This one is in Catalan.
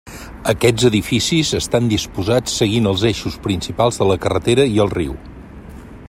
Aquests edificis estan disposats seguint els eixos principals de la carretera i el riu.